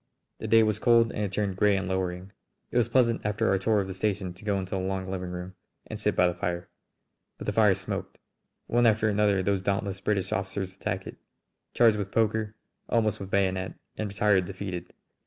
The day was cold and had turned grey and lowering. It was pleasant after our tour of the station to go into the long living room and sit by the fire. But the fire smoked. One after another those dauntless British officers attacked it, charged with poker, almost with bayonet, and retired defeated.